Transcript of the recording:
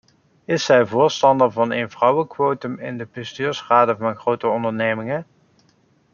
Is zij voorstander van een vrouwenquotum in de bestuursraden van grote ondernemingen?